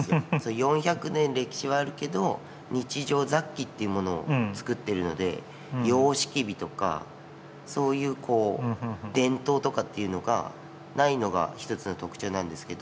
４００年歴史はあるけど日常雑器というものを作ってるので様式美とかそういう伝統とかっていうのがないのが一つの特徴なんですけど。